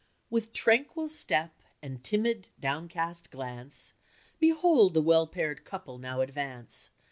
"With tranquil step, and timid, downcast glance, Behold the well paired couple now advance.